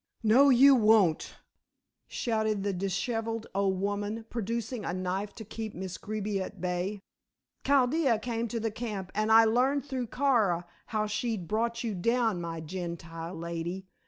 "No, you won't!" shouted the dishevelled old woman, producing a knife to keep Miss Greeby at bay. "Chaldea came to the camp and I learned through Kara how she'd brought you down, my Gentile lady.